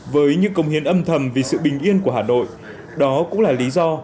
với những công hiến âm thầm vì sự bình yên của hà nội đó cũng là lý do